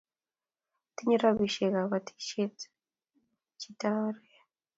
Tinye robishe kabotishe chita oree